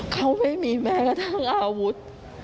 เขาไม่มีแม้กระทั่งอาวุธ